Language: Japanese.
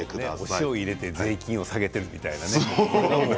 塩を入れて税金を下げているみたいなね。